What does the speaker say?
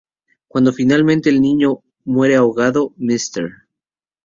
Cuando finalmente el niño muere ahogado, Mr.